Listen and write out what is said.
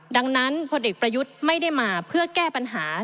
ดังนั้นพลเอกประยุทธ์ไม่ได้มาเพื่อแก้ปัญหา